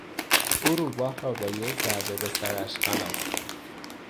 او روباه را با یک ضربه به سرش خلاص کرد.